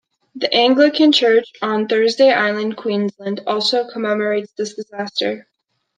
The Anglican church on Thursday Island, Queensland, also commemorates this disaster.